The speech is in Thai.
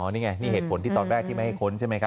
นี่ไงนี่เหตุผลที่ตอนแรกที่ไม่ให้ค้นใช่ไหมครับ